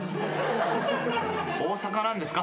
大阪なんですか？